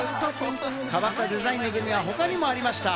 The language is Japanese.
変わったデザインのグミは他にもありました。